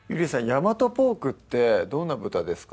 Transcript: ヤマトポークってどんな豚ですか？